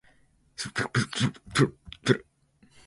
ｓｄｆｋｊｓｆｋｊ